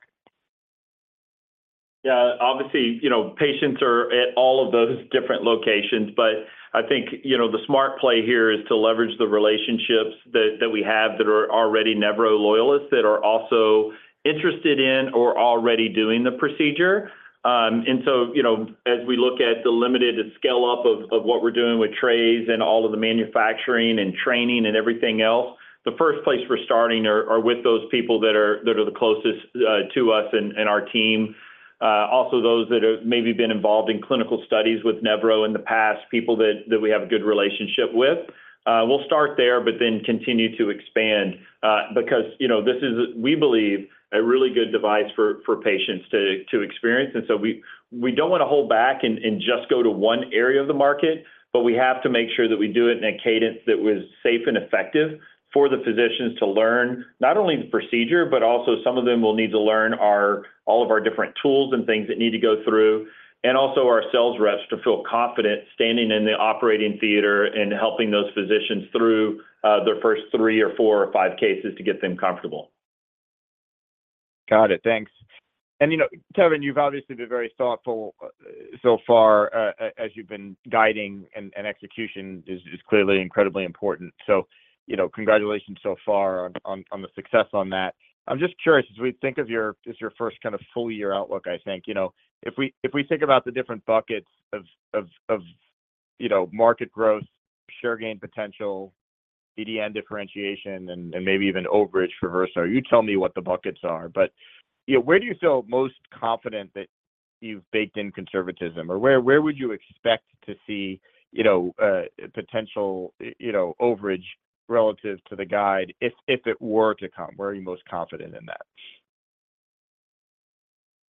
Yeah, obviously, patients are at all of those different locations. But I think the smart play here is to leverage the relationships that we have that are already Nevro loyalists, that are also interested in or already doing the procedure. And so as we look at the limited scale-up of what we're doing with trays and all of the manufacturing and training and everything else, the first place we're starting are with those people that are the closest to us and our team. Also, those that have maybe been involved in clinical studies with Nevro in the past, people that we have a good relationship with. We'll start there, but then continue to expand because this is, we believe, a really good device for patients to experience. And so we don't want to hold back and just go to one area of the market, but we have to make sure that we do it in a cadence that was safe and effective for the physicians to learn not only the procedure, but also some of them will need to learn all of our different tools and things that need to go through, and also our sales reps to feel confident standing in the operating theater and helping those physicians through their first 3 or 4 or 5 cases to get them comfortable. Got it. Thanks. And Kevin, you've obviously been very thoughtful so far. As you've been guiding, and execution is clearly incredibly important. So congratulations so far on the success on that. I'm just curious, as we think of your it's your first kind of full-year outlook, I think. If we think about the different buckets of market growth, share gain potential, PDN differentiation, and maybe even overage for Vyrsa, you tell me what the buckets are. But where do you feel most confident that you've baked in conservatism, or where would you expect to see potential overage relative to the guide if it were to come? Where are you most confident in that?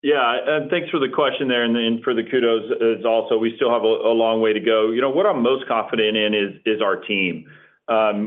Yeah, and thanks for the question there and for the kudos also. We still have a long way to go. What I'm most confident in is our team.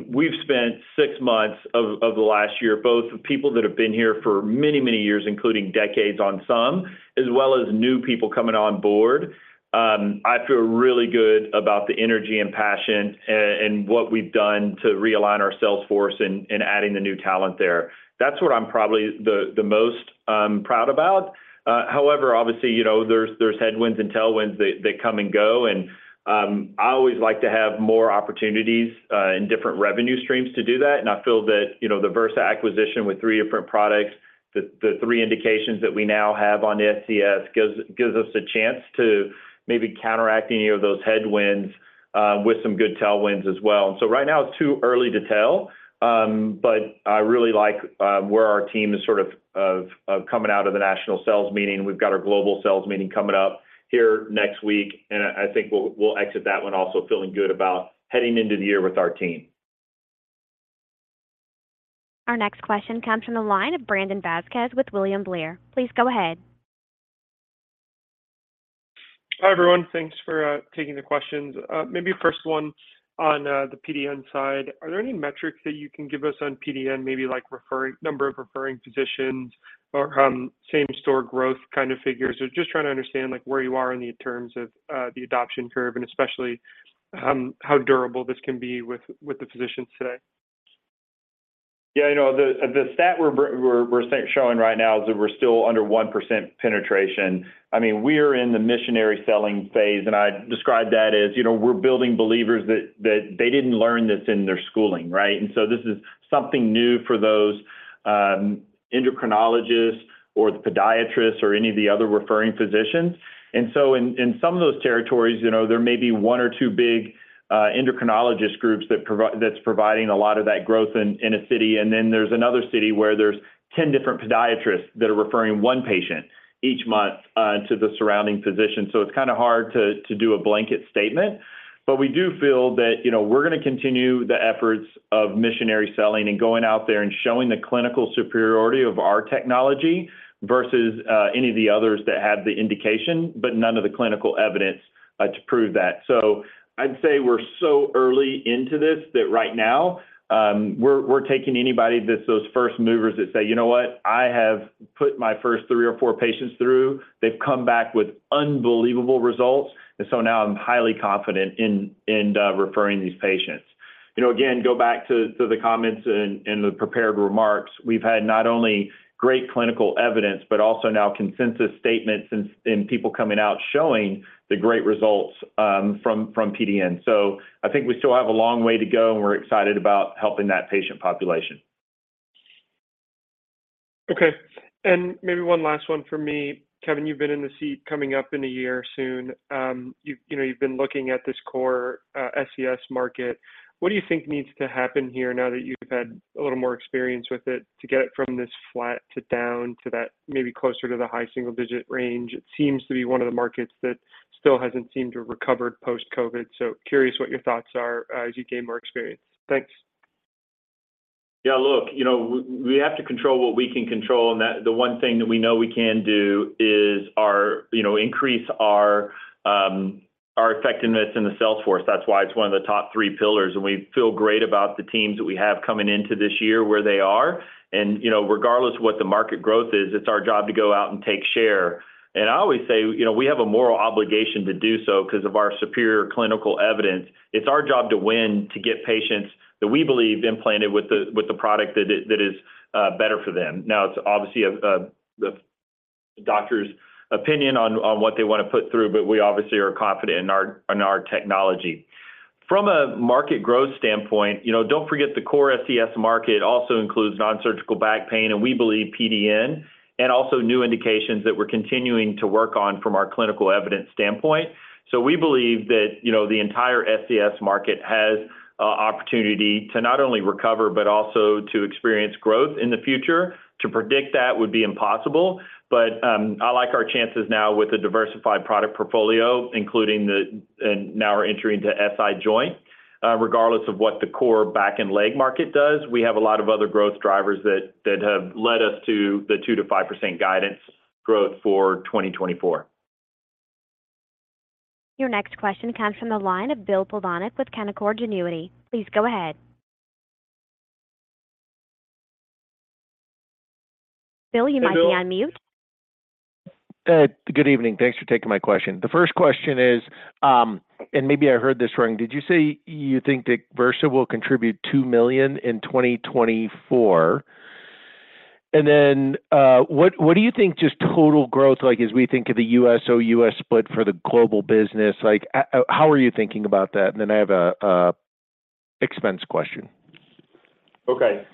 We've spent six months of the last year, both of people that have been here for many, many years, including decades on some, as well as new people coming on board. I feel really good about the energy and passion and what we've done to realign our sales force and adding the new talent there. That's what I'm probably the most proud about. However, obviously, there's headwinds and tailwinds that come and go. And I always like to have more opportunities in different revenue streams to do that. I feel that the Vyrsa acquisition with three different products, the three indications that we now have on SCS, gives us a chance to maybe counteract any of those headwinds with some good tailwinds as well. And so right now, it's too early to tell. But I really like where our team is sort of coming out of the national sales meeting. We've got our global sales meeting coming up here next week. And I think we'll exit that one also feeling good about heading into the year with our team. Our next question comes from the line of Brandon Vazquez with William Blair. Please go ahead. Hi, everyone. Thanks for taking the questions. Maybe first one on the PDN side. Are there any metrics that you can give us on PDN, maybe like number of referring physicians or same-store growth kind of figures? We're just trying to understand where you are in terms of the adoption curve and especially how durable this can be with the physicians today. Yeah, the stat we're showing right now is that we're still under 1% penetration. I mean, we are in the missionary selling phase. And I describe that as we're building believers that they didn't learn this in their schooling, right? And so this is something new for those endocrinologists or the podiatrists or any of the other referring physicians. And so in some of those territories, there may be one or two big endocrinologist groups that's providing a lot of that growth in a city. And then there's another city where there's 10 different podiatrists that are referring one patient each month to the surrounding physician. So it's kind of hard to do a blanket statement. But we do feel that we're going to continue the efforts of missionary selling and going out there and showing the clinical superiority of our technology versus any of the others that have the indication, but none of the clinical evidence to prove that. So I'd say we're so early into this that right now, we're taking anybody that's those first movers that say, "You know what? I have put my first three or four patients through. They've come back with unbelievable results. And so now I'm highly confident in referring these patients." Again, go back to the comments and the prepared remarks. We've had not only great clinical evidence, but also now consensus statements and people coming out showing the great results from PDN. So I think we still have a long way to go, and we're excited about helping that patient population. Okay. And maybe one last one for me. Kevin, you've been in the seat coming up in a year soon. You've been looking at this core SCS market. What do you think needs to happen here now that you've had a little more experience with it to get it from this flat to down to that maybe closer to the high single-digit range? It seems to be one of the markets that still hasn't seemed to recover post-COVID. So curious what your thoughts are as you gain more experience. Thanks. Yeah, look, we have to control what we can control. And the one thing that we know we can do is increase our effectiveness in the sales force. That's why it's one of the top three pillars. And we feel great about the teams that we have coming into this year where they are. And regardless of what the market growth is, it's our job to go out and take share. And I always say we have a moral obligation to do so because of our superior clinical evidence. It's our job to win to get patients that we believe implanted with the product that is better for them. Now, it's obviously the doctor's opinion on what they want to put through, but we obviously are confident in our technology. From a market growth standpoint, don't forget the core SCS market also includes nonsurgical back pain, and we believe PDN, and also new indications that we're continuing to work on from our clinical evidence standpoint. So we believe that the entire SCS market has an opportunity to not only recover but also to experience growth in the future. To predict that would be impossible. But I like our chances now with a diversified product portfolio, including now we're entering to SI joint. Regardless of what the core back and leg market does, we have a lot of other growth drivers that have led us to the 2%-5% guidance growth for 2024. Your next question comes from the line of Bill Plovanic with Canaccord Genuity. Please go ahead. Bill, you might be on mute. Good evening. Thanks for taking my question. The first question is, and maybe I heard this wrong, did you say you think that Vyrsa will contribute $2 million in 2024? And then what do you think just total growth like as we think of the U.S./ex-U.S. split for the global business? How are you thinking about that? And then I have an expense question. Okay.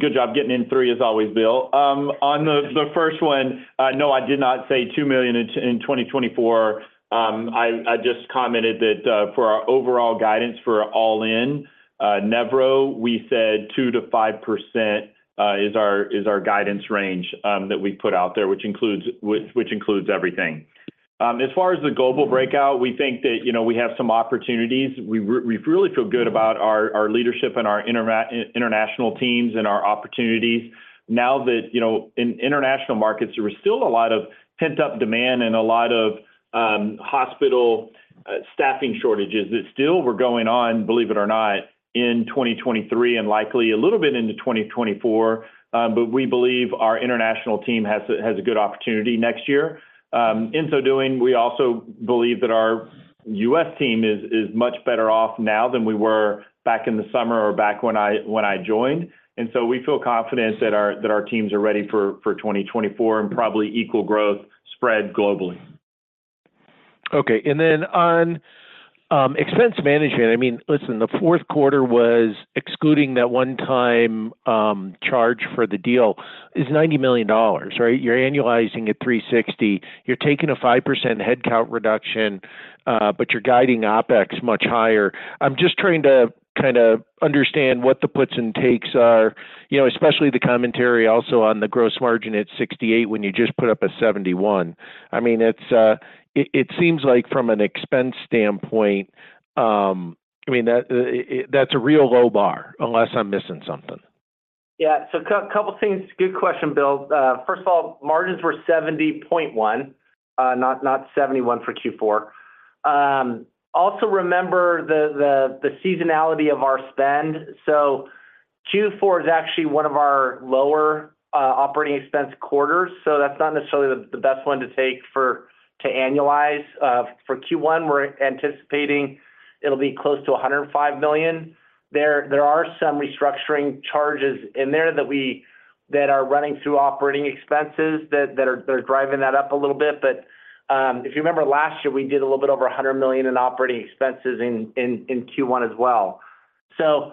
Good job getting in 3 as always, Bill. On the first one, no, I did not say $2 million in 2024. I just commented that for our overall guidance for all-in Nevro, we said 2%-5% is our guidance range that we put out there, which includes everything. As far as the global breakout, we think that we have some opportunities. We really feel good about our leadership and our international teams and our opportunities. Now that in international markets, there was still a lot of pent-up demand and a lot of hospital staffing shortages that still were going on, believe it or not, in 2023 and likely a little bit into 2024. But we believe our international team has a good opportunity next year. In so doing, we also believe that our U.S. team is much better off now than we were back in the summer or back when I joined. And so we feel confident that our teams are ready for 2024 and probably equal growth spread globally. Okay. And then on expense management, I mean, listen, the fourth quarter was excluding that one-time charge for the deal, is $90 million, right? You're annualizing at $360 million. You're taking a 5% headcount reduction, but you're guiding OpEx much higher. I'm just trying to kind of understand what the puts and takes are, especially the commentary also on the gross margin at 68% when you just put up a 71%. I mean, it seems like from an expense standpoint, I mean, that's a real low bar unless I'm missing something. Yeah. So a couple of things. Good question, Bill. First of all, margins were 70.1, not 71 for Q4. Also, remember the seasonality of our spend. So Q4 is actually one of our lower operating expense quarters. So that's not necessarily the best one to take to annualize. For Q1, we're anticipating it'll be close to $105 million. There are some restructuring charges in there that are running through operating expenses that are driving that up a little bit. But if you remember last year, we did a little bit over $100 million in operating expenses in Q1 as well. So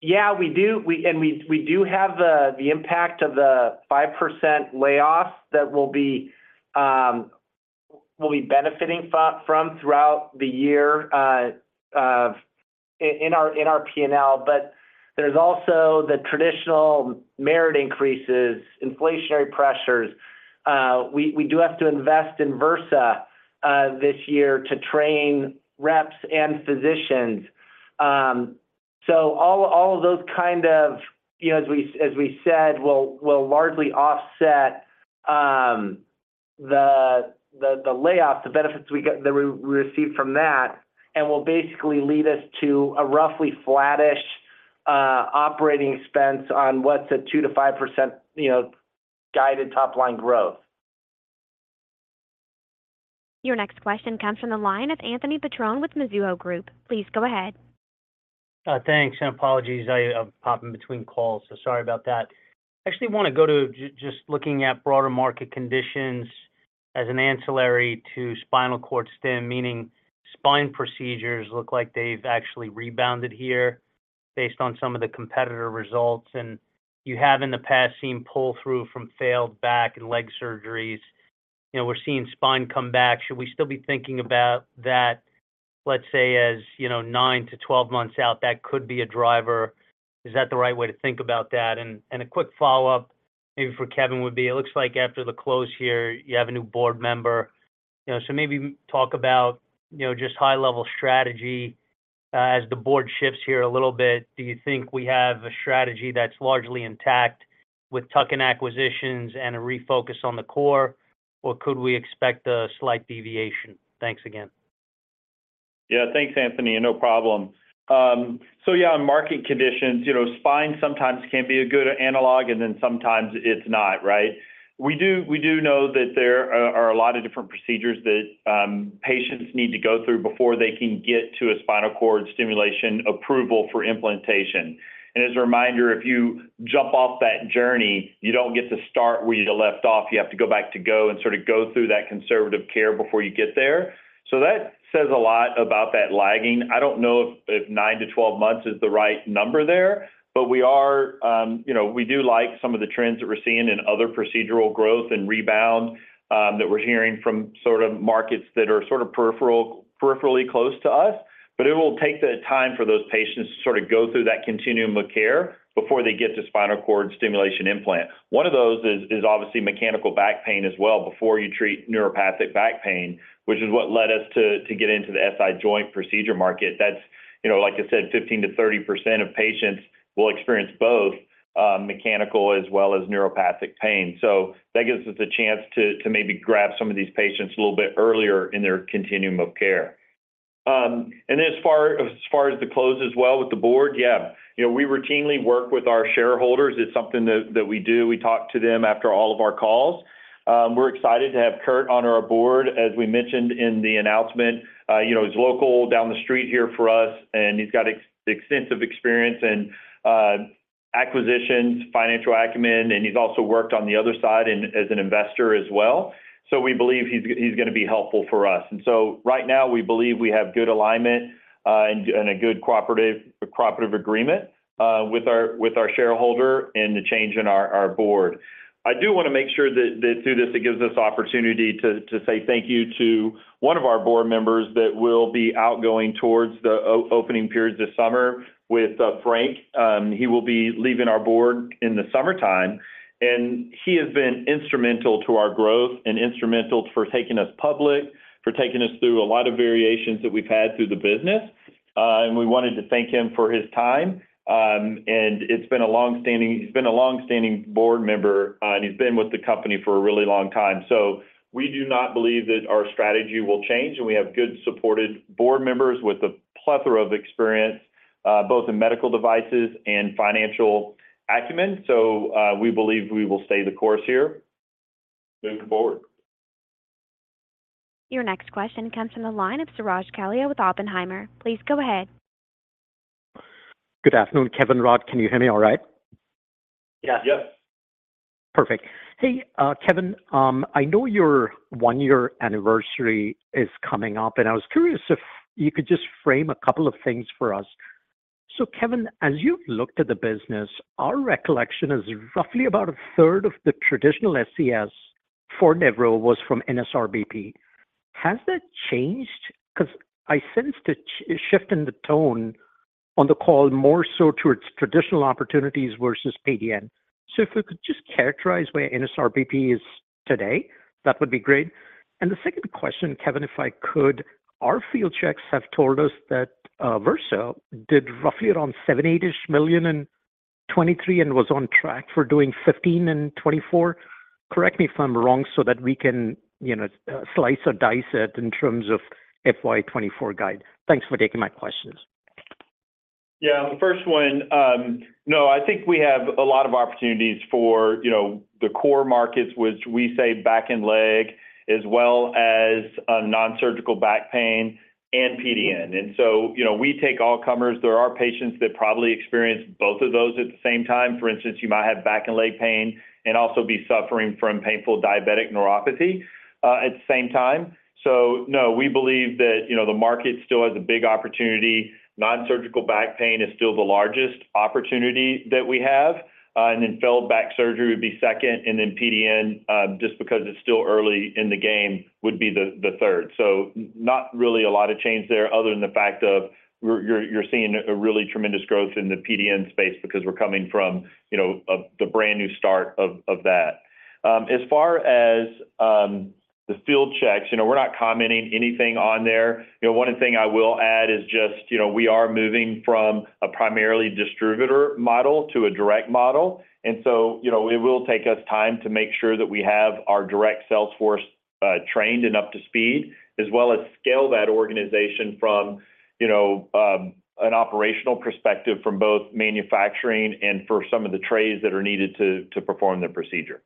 yeah, we do. And we do have the impact of the 5% layoffs that we'll be benefiting from throughout the year in our P&L. But there's also the traditional merit increases, inflationary pressures. We do have to invest in Vyrsa this year to train reps and physicians. So all of those kind of, as we said, will largely offset the layoffs, the benefits that we receive from that, and will basically lead us to a roughly flattish operating expense on what's a 2%-5% guided top-line growth. Your next question comes from the line of Anthony Petrone with Mizuho Group. Please go ahead. Thanks. Apologies I'm popping between calls. So sorry about that. Actually, want to go to just looking at broader market conditions as an ancillary to spinal cord stim, meaning spine procedures look like they've actually rebounded here based on some of the competitor results. You have in the past seen pull-through from failed back and leg surgeries. We're seeing spine come back. Should we still be thinking about that, let's say, as 9-12 months out? That could be a driver. Is that the right way to think about that? A quick follow-up maybe for Kevin would be, it looks like after the close here, you have a new board member. So maybe talk about just high-level strategy as the board shifts here a little bit. Do you think we have a strategy that's largely intact with tuck-in acquisitions and a refocus on the core, or could we expect a slight deviation? Thanks again. Yeah, thanks, Anthony. No problem. So yeah, on market conditions, spine sometimes can be a good analog, and then sometimes it's not, right? We do know that there are a lot of different procedures that patients need to go through before they can get to a spinal cord stimulation approval for implantation. And as a reminder, if you jump off that journey, you don't get to start where you left off. You have to go back to go and sort of go through that conservative care before you get there. So that says a lot about that lagging. I don't know if 9-12 months is the right number there, but we do like some of the trends that we're seeing in other procedural growth and rebound that we're hearing from sort of markets that are sort of peripherally close to us. But it will take the time for those patients to sort of go through that continuum of care before they get to spinal cord stimulation implant. One of those is obviously mechanical back pain as well before you treat neuropathic back pain, which is what led us to get into the SI joint procedure market. That's, like I said, 15%-30% of patients will experience both mechanical as well as neuropathic pain. So that gives us a chance to maybe grab some of these patients a little bit earlier in their continuum of care. And then as far as the close as well with the board, yeah, we routinely work with our shareholders. It's something that we do. We talk to them after all of our calls. We're excited to have Kirt on our board. As we mentioned in the announcement, he's local down the street here for us, and he's got extensive experience in acquisitions, financial acumen, and he's also worked on the other side as an investor as well. So we believe he's going to be helpful for us. And so right now, we believe we have good alignment and a good cooperative agreement with our shareholder and the change in our board. I do want to make sure that through this, it gives us opportunity to say thank you to one of our board members that will be outgoing towards the opening periods this summer with Frank. He will be leaving our board in the summertime. And he has been instrumental to our growth and instrumental for taking us public, for taking us through a lot of variations that we've had through the business. We wanted to thank him for his time. It's been a longstanding; he's been a longstanding board member, and he's been with the company for a really long time. We do not believe that our strategy will change. We have well-supported board members with a plethora of experience both in medical devices and financial acumen. We believe we will stay the course here. Moving forward. Your next question comes from the line of Suraj Kalia with Oppenheimer. Please go ahead. Good afternoon. Kevin, Rod, can you hear me all right? Yes. Perfect. Hey, Kevin, I know your 1-year anniversary is coming up, and I was curious if you could just frame a couple of things for us. So Kevin, as you've looked at the business, our recollection is roughly about a third of the traditional SCS for Nevro was from NSRBP. Has that changed? Because I sense the shift in the tone on the call more so towards traditional opportunities versus PDN. So if we could just characterize where NSRBP is today, that would be great. And the second question, Kevin, if I could, our field checks have told us that Vyrsa did roughly around $78 million in 2023 and was on track for doing $15 million in 2024. Correct me if I'm wrong so that we can slice or dice it in terms of FY 2024 guide. Thanks for taking my questions. Yeah. On the first one, no, I think we have a lot of opportunities for the core markets, which we say back and leg, as well as nonsurgical back pain and PDN. And so we take all comers. There are patients that probably experience both of those at the same time. For instance, you might have back and leg pain and also be suffering from painful diabetic neuropathy at the same time. So no, we believe that the market still has a big opportunity. Nonsurgical back pain is still the largest opportunity that we have. And then failed back surgery would be second. And then PDN, just because it's still early in the game, would be the third. So not really a lot of change there other than the fact of you're seeing a really tremendous growth in the PDN space because we're coming from the brand new start of that. As far as the field checks, we're not commenting anything on there. One thing I will add is just we are moving from a primarily distributor model to a direct model. And so it will take us time to make sure that we have our direct sales force trained and up to speed, as well as scale that organization from an operational perspective from both manufacturing and for some of the trades that are needed to perform the procedure.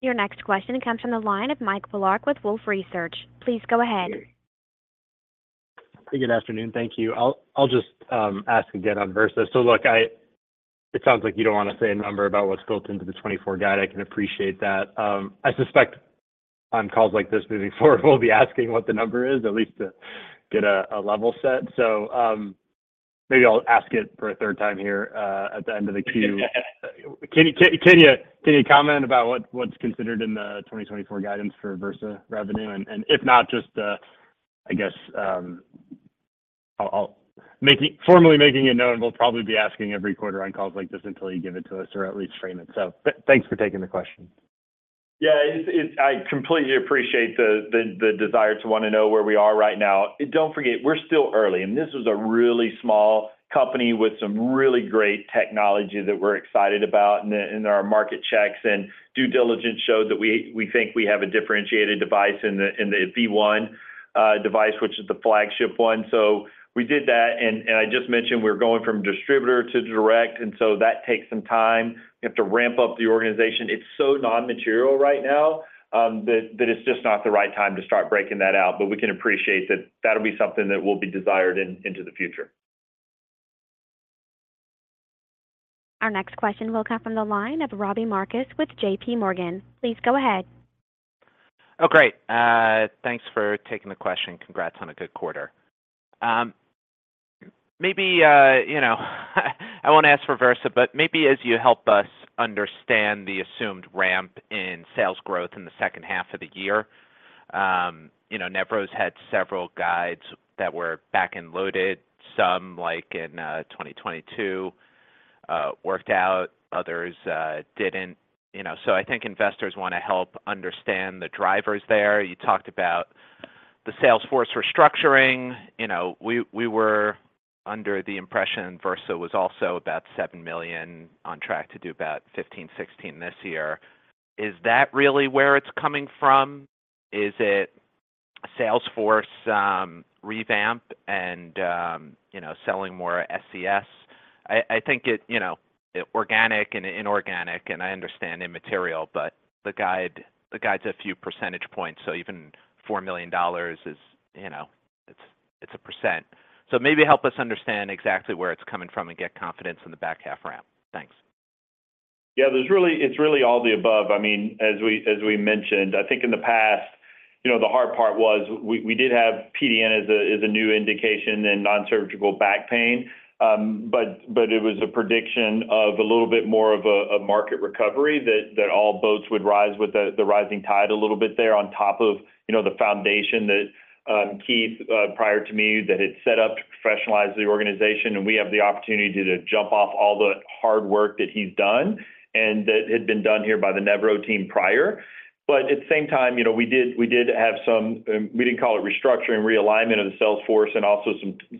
Your next question comes from the line of Mike Polark with Wolfe Research. Please go ahead. Hey, good afternoon. Thank you. I'll just ask again on Vyrsa. So look, it sounds like you don't want to say a number about what's built into the 2024 guide. I can appreciate that. I suspect on calls like this moving forward, we'll be asking what the number is, at least to get a level set. So maybe I'll ask it for a third time here at the end of the queue. Can you comment about what's considered in the 2024 guidance for Vyrsa revenue? And if not, just, I guess, formally making it known, we'll probably be asking every quarter on calls like this until you give it to us or at least frame it. So thanks for taking the question. Yeah. I completely appreciate the desire to want to know where we are right now. Don't forget, we're still early. And this was a really small company with some really great technology that we're excited about. And our market checks and due diligence showed that we think we have a differentiated device in the V1 device, which is the flagship one. So we did that. And I just mentioned we're going from distributor to direct. And so that takes some time. You have to ramp up the organization. It's so nonmaterial right now that it's just not the right time to start breaking that out. But we can appreciate that that'll be something that will be desired into the future. Our next question will come from the line of Robbie Marcus with JP Morgan. Please go ahead. Oh, great. Thanks for taking the question. Congrats on a good quarter. I want to ask for Vyrsa, but maybe as you help us understand the assumed ramp in sales growth in the second half of the year, Nevro's had several guides that were back-loaded. Some in 2022 worked out. Others didn't. So I think investors want to help understand the drivers there. You talked about the sales force restructuring. We were under the impression Vyrsa was also about $7 million on track to do about $15 million-$16 million this year. Is that really where it's coming from? Is it sales force revamp and selling more SCS? I think organic and inorganic, and I understand immaterial, but the guide's a few percentage points. So even $4 million, it's a %. So maybe help us understand exactly where it's coming from and get confidence in the back half ramp. Thanks. Yeah, it's really all the above. I mean, as we mentioned, I think in the past, the hard part was we did have PDN as a new indication and nonsurgical back pain, but it was predicated on a little bit more of a market recovery that all boats would rise with the rising tide a little bit there on top of the foundation that Keith, prior to me, that had set up to professionalize the organization. And we have the opportunity to jump off all the hard work that he's done and that had been done here by the Nevro team prior. But at the same time, we did have some we didn't call it restructuring, realignment of the salesforce, and also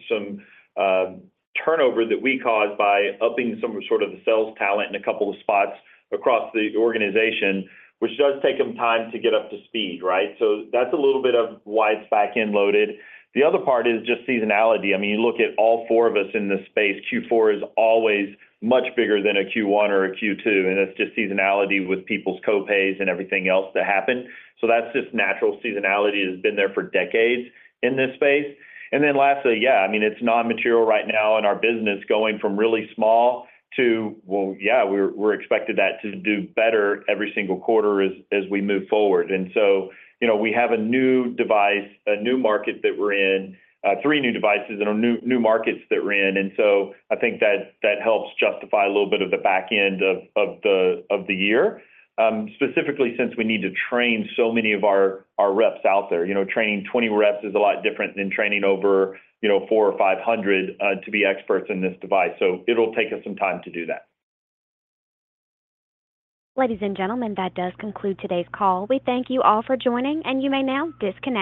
some turnover that we caused by upping some sort of the sales talent in a couple of spots across the organization, which does take them time to get up to speed, right? So that's a little bit of why it's back-end loaded. The other part is just seasonality. I mean, you look at all four of us in this space, Q4 is always much bigger than a Q1 or a Q2. And it's just seasonality with people's copays and everything else that happened. So that's just natural. Seasonality has been there for decades in this space. And then lastly, yeah, I mean, it's nonmaterial right now in our business going from really small to, well, yeah, we're expected that to do better every single quarter as we move forward. We have a new device, a new market that we're in, 3 new devices and new markets that we're in. So I think that helps justify a little bit of the back end of the year, specifically since we need to train so many of our reps out there. Training 20 reps is a lot different than training over 400 or 500 to be experts in this device. So it'll take us some time to do that. Ladies and gentlemen, that does conclude today's call. We thank you all for joining, and you may now disconnect.